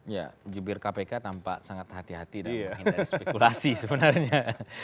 ya jubir kpk tampak sangat hati hati dan menghindari spekulasi sebenarnya